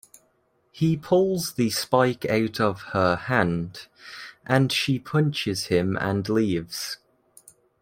He pulls the spike out of her hand, and she punches him and leaves.